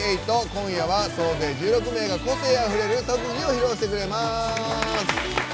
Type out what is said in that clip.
今夜は総勢１６名が個性あふれる特技を披露してくれます。